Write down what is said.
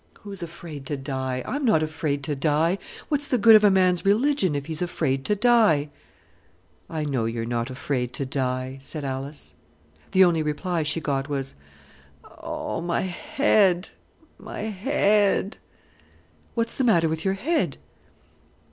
"Who's afraid to die? I'm not afraid to die. What's the good of a man's religion if he's afraid to die?" "I know you're not afraid to die," said Alice. The only reply she got was, "Oh, my head! my head!" "What's the matter with your head?"